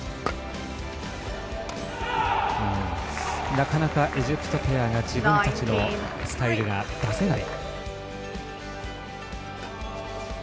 なかなか、エジプトペアが自分たちのスタイルが出せない。